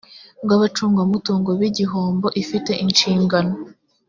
rw abacungamutungo b igihombo ifite inshingano